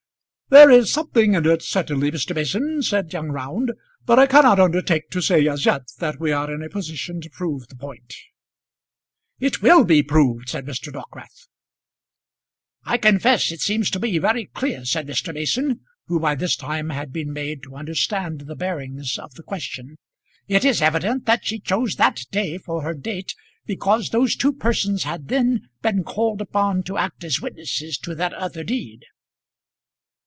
"There is something in it, certainly, Mr. Mason," said young Round; "but I cannot undertake to say as yet that we are in a position to prove the point." "It will be proved," said Mr. Dockwrath. "I confess it seems to me very clear," said Mr. Mason, who by this time had been made to understand the bearings of the question. "It is evident that she chose that day for her date because those two persons had then been called upon to act as witnesses to that other deed."